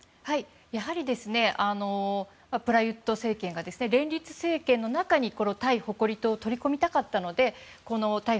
やはりプラユット政権が連立政権の中にこのタイ誇り党を取り込みたかったのでタイ